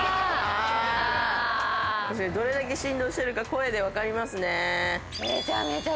どれだけ振動しているか声でわかりますね。